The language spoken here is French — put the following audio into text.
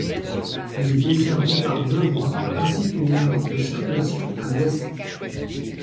Il est desservi par deux voies ainsi qu'une aire de circulation à l’ouest.